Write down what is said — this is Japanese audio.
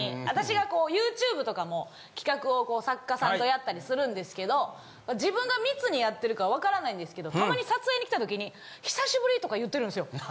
私がＹｏｕＴｕｂｅとかも企画を作家さんとやったりするんですけど自分が密にやってるから分からないんですけどたまに撮影に来た時に「久しぶり」とか言ってるんですよ。